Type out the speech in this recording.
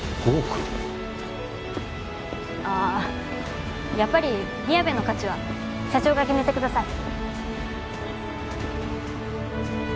あーやっぱりみやべの価値は社長が決めてください。